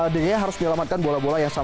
davidea harus menyelamatkan bola bola